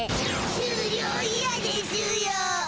しゅうりょういやでしゅよ！